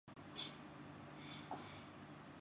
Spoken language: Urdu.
گلگت بلتستان الیکشن کون جیتےگا